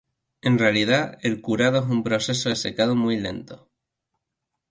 En realidad, el curado es un proceso de secado muy lento.